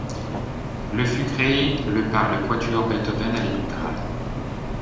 Le fut créé le par le Quatuor Beethoven à Leningrad.